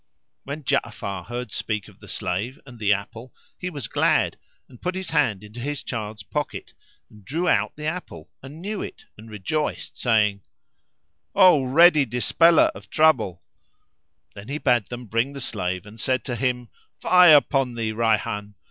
When Ja'afar heard speak of the slave and the apple, he was glad and put his hand into his child's pocket [FN#361] and drew out the apple and knew it and rejoiced saying, "O ready Dispeller of trouble " [FN#362] Then he bade them bring the slave and said to him, "Fie upon thee, Rayhan!